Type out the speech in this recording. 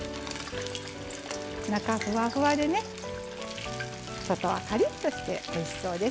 中ふわふわでね外はカリッとしておいしそうです。